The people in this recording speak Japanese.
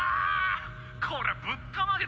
こりゃぶったまげたな。